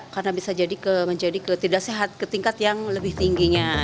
karena bisa menjadi ke tidak sehat ke tingkat yang lebih tingginya